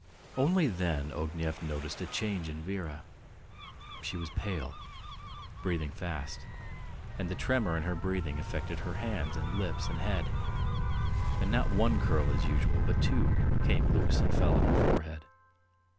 Only then Ognev noticed a change in Vera. She was pale, breathing fast, and the tremor in her breathing affected her hands and lips and head, and not one curl as usual, but two, came loose and fell on her forehead.